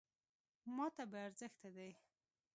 .ماته بې ارزښته دی .